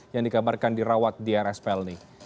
yang dikabarkan dirawat di rs pelni